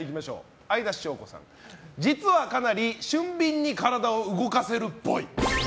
相田翔子さん実はかなり俊敏に体を動かせるっぽい。